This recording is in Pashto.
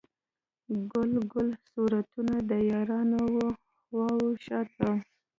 ګل ګل صورتونه، د یارانو و خواو شاته